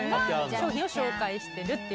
調理を紹介してるって。